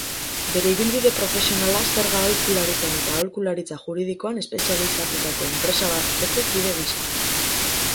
Bere ibilbide profesionala zerga-aholkularitzan eta aholkularitza juridikoan espezializatutako enpresa bateko kide gisa.